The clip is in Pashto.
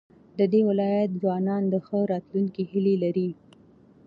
د دې ولايت ځوانان د ښه راتلونکي هيلې لري.